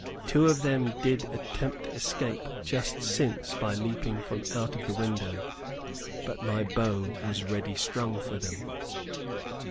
Two of them did attempt escape just since by leaping from out of the window. But my bow was ready strung for them."